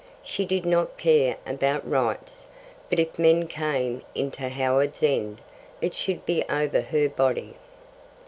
She did not care about rights, but if men came into Howards End, it should be over her body.